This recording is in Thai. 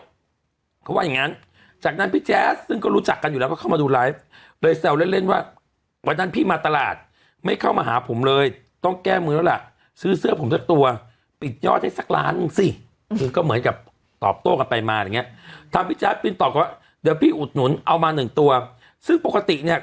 เพราะว่าอย่างงั้นจากนั้นพี่แจ๊สซึ่งก็รู้จักกันอยู่แล้วก็เข้ามาดูไลฟ์เลยแซวเล่นว่าวันนั้นพี่มาตลาดไม่เข้ามาหาผมเลยต้องแก้มือแล้วล่ะซื้อเสื้อผมสักตัวปิดยอดให้สักล้านนึงสิก็เหมือนกับตอบโต้กันไปมาอย่างเงี้ย